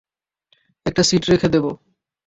একটা সিট রেখে দেবো।